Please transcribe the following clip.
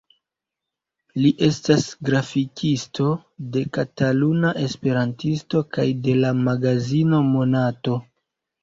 Li estas grafikisto de "Kataluna Esperantisto" kaj de la magazino "Monato".